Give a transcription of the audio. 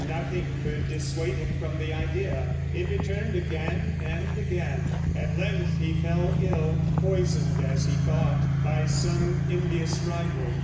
Nothing could dissuade him from the idea. It returned again and again. At length he fell ill, poisoned, as he thought, by some envious rival.